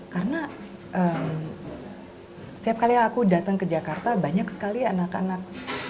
karena setiap kali aku datang ke jakarta banyak sekali anak anak yang punya nama indonesia